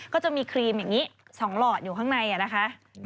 ก็จะมีครีมอย่างนี้๒หลอดอยู่ข้างในนะคะ